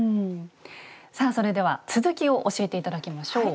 さあそれでは続きを教えて頂きましょう。